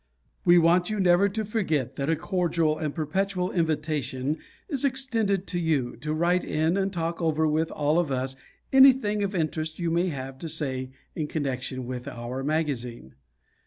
We want you never to forget that a cordial and perpetual invitation is extended to you to write in and talk over with all of us anything of interest you may have to say in connection with our magazine.